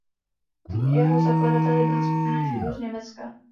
Jeho zakladateli byla skupina Židů z Německa.